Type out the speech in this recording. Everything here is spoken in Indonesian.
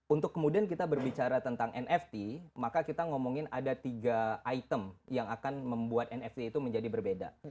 untuk kemudian kita berbicara tentang nft maka kita ngomongin ada tiga item yang akan membuat nft itu menjadi berbeda